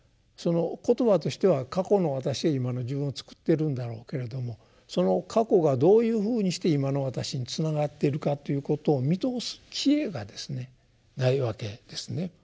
言葉としては過去の私が今の自分をつくってるんだろうけれどもその過去がどういうふうにして今の私につながってるかということを見通す智慧がですねないわけですね。